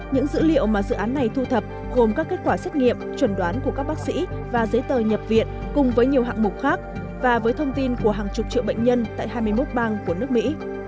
những dữ liệu mà dự án này thu thập gồm các kết quả xét nghiệm chuẩn đoán của các bác sĩ và giấy tờ nhập viện cùng với nhiều hạng mục khác và với thông tin của hàng chục triệu bệnh nhân tại hai mươi một bang của nước mỹ